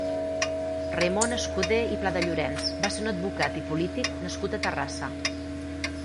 Raimon Escudé i Pladellorens va ser un advocat i polític nascut a Terrassa.